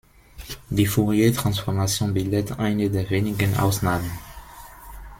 Die Fourier-Transformation bildet eine der wenigen Ausnahmen.